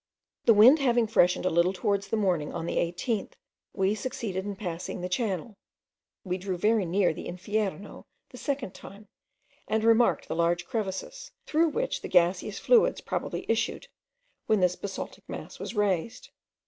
The wind having freshened a little towards the morning on the 18th, we succeeded in passing the channel. We drew very near the Infierno the second time, and remarked the large crevices, through which the gaseous fluids probably issued, when this basaltic mass was raised.